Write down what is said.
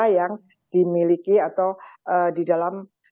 yang dimiliki atau di dalam